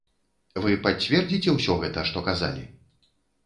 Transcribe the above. Вы пацвердзіце ўсё гэта, што казалі?